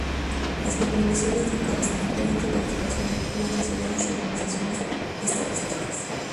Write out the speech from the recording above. Las contribuciones de Cox incluyen su participación activa en sociedades y organizaciones estadísticas.